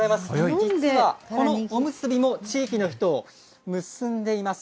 実はこのおむすびも地域の人を結んでいます。